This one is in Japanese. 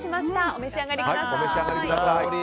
お召し上がりください。